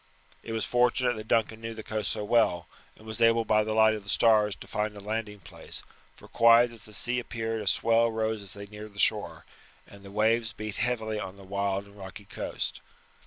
It was fortunate that Duncan knew the coast so well, and was able by the light of the stars to find a landing place, for quiet as the sea appeared a swell rose as they neared the shore, and the waves beat heavily on the wild and rocky coast.